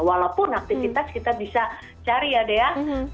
walaupun aktivitas kita bisa cari ya dea